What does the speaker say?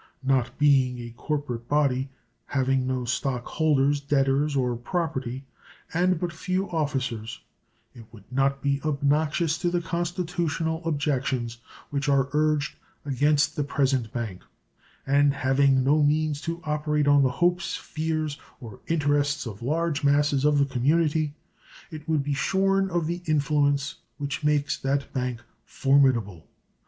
Not being a corporate body, having no stock holders, debtors, or property, and but few officers, it would not be obnoxious to the constitutional objections which are urged against the present bank; and having no means to operate on the hopes, fears, or interests of large masses of the community, it would be shorn of the influence which makes that bank formidable.